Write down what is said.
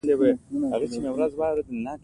خچۍ ګوته یې د مخ په غټه پوزه کې هواره ګډوله.